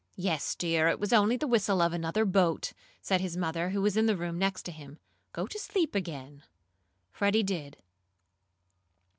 "Yes, dear. It was only the whistle of another boat," said his mother, who was in the room next to him. "Go to sleep again." Freddie did.